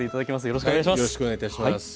よろしくお願いします。